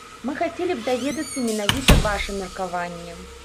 Мы хацелі б даведацца менавіта ваша меркаванне.